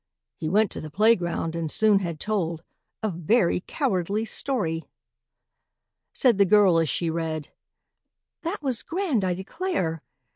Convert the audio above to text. He went to the playground, and soon had told A very cowardly story! Said the girl as she read, "That was grand, I declare!